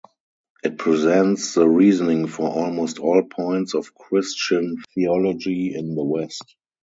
It presents the reasoning for almost all points of Christian theology in the West.